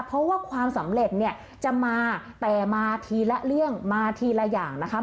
เพราะว่าความสำเร็จเนี่ยจะมาแต่มาทีละเรื่องมาทีละอย่างนะคะ